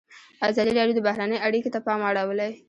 ازادي راډیو د بهرنۍ اړیکې ته پام اړولی.